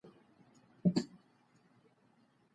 ذهن د معلوماتو یو لوی سمندر دی.